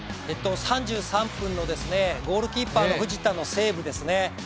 ３３分のゴールキーパーの藤田のセーブですね。